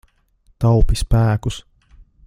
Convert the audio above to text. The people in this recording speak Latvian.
Taupi spēkus.